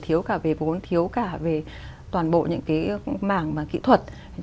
thiếu cả về vốn thiếu cả về toàn bộ những cái mảng kỹ thuật